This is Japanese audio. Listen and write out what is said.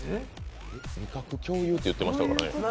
共有って言うてましたからね。